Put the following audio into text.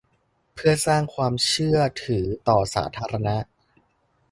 เพื่อสร้างความเชื่อถือต่อสาธารณะ